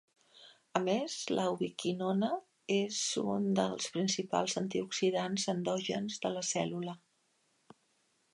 A més, la ubiquinona és un del principals antioxidants endògens de la cèl·lula.